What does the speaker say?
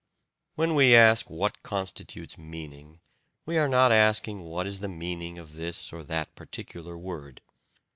When we ask what constitutes meaning, we are not asking what is the meaning of this or that particular word.